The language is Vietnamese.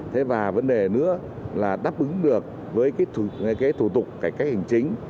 thế và vấn đề nữa là đáp ứng được với cái thủ tục cải cách hành chính